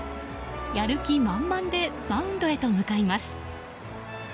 やる気満々でマウンドへと向かいます。